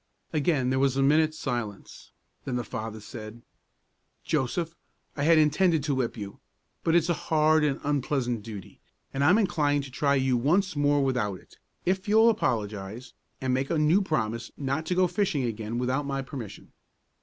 Again there was a minute's silence. Then the father said, "Joseph, I had intended to whip you; but it's a hard and unpleasant duty, and I'm inclined to try you once more without it, if you'll apologize and make a new promise not to go fishing again without my permission."